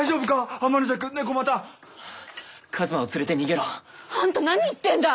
あんた何言ってんだい！